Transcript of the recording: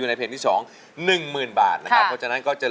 ทุกคนนี้ก็ส่งเสียงเชียร์ทางบ้านก็เชียร์